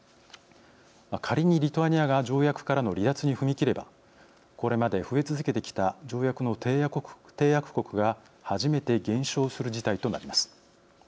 仮にリトアニアが条約からの離脱に踏み切ればこれまで増え続けてきた条約の締約国が初めて減少する事態となります。